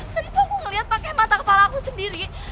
tadi tuh aku ngeliat pake mata kepala aku sendiri